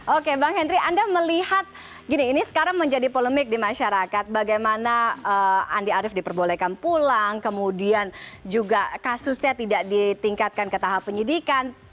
oke bang henry anda melihat gini ini sekarang menjadi polemik di masyarakat bagaimana andi arief diperbolehkan pulang kemudian juga kasusnya tidak ditingkatkan ke tahap penyidikan